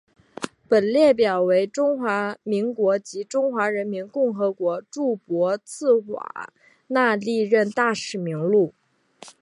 本列表为中华民国及中华人民共和国驻博茨瓦纳历任大使名录。